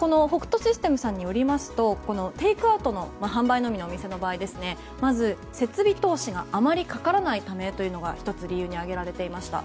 ホクトシステムさんによりますとテイクアウトの販売のみのお店の場合は、設備投資があまりかからないためというのが１つ理由に挙げられていました。